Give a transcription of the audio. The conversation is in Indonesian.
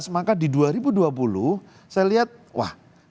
maka di dua ribu dua puluh saya lihat wah